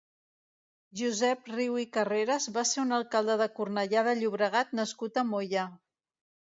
Josep Riu i Carreras va ser un alcalde de Cornellà de Llobregat nascut a Moià.